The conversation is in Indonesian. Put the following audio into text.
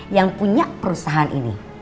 yang punya perusahaan ini